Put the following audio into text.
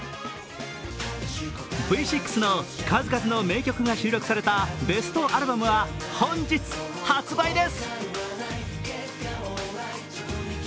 Ｖ６の数々の名曲が収録されたベストアルバムは本日発売です。